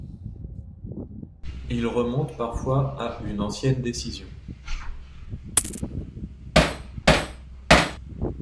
Ils remontent parfois à une ancienne décision.